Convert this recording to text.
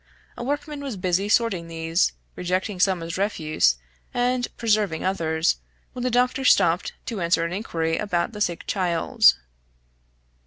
A workman was busy sorting these, rejecting some as refuse, and preserving others, when the doctor stopped to answer an inquiry about the sick child.